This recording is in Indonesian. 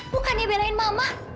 bukannya belain mama